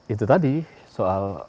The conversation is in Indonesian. itu tadi soal